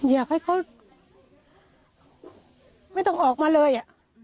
อยากให้เขาไม่ต้องออกมาเลย